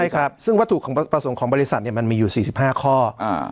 ใช่ครับซึ่งวัตถุประสงค์ของบริษัทเนี่ยมันมีอยู่สี่สิบห้าข้ออ่า